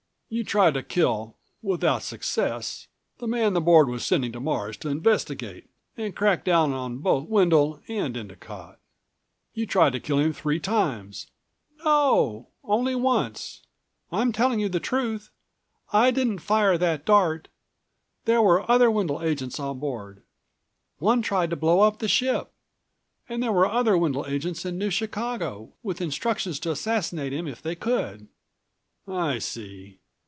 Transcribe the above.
"You tried to kill, without success, the man the Board was sending to Mars to investigate and crack down on both Wendel and Endicott. You tried to kill him three times." "No, only once. I'm telling you the truth. I didn't fire that dart. There were other Wendel agents on board. One tried to blow up the ship. And there were other Wendel agents in New Chicago, with instructions to assassinate him if they could." "I see.